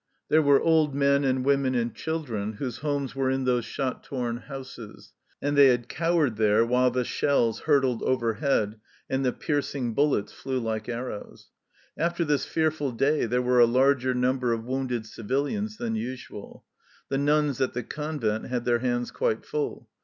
There were old men and women and children whose homes were in those shot torn houses, and they had cowered there while the shells hurtled overhead and the piercing bullets flew like arrows. After this fearful day there were a larger number of wounded civilians than usual. The nuns at the convent had their hands quite full.